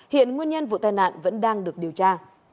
hiện nguyên nhân vụ tai nạn vẫn đang được điều tra